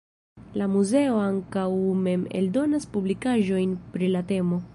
La muzeo ankaŭ mem eldonas publikaĵojn pri la temo.